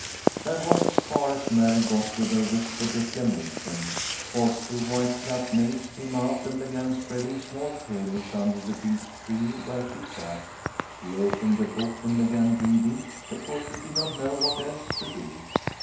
That was as far as Mary got with her whispered declamation, for two white capped maids came out and began spreading small tables under the beech tree where she sat. She opened the book and began reading, because she did not know what else to do.